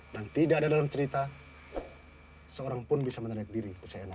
dan tidak ada dalam cerita seorang pun bisa menerik diri bisa enaknya